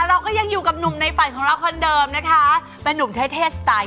เราก็ยังอยู่กับหนุ่มในฝันของเราคนเดิมนะคะเป็นนุ่มเท่สไตล์